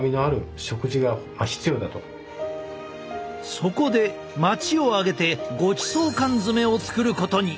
そこで町を挙げてごちそう缶詰を作ることに。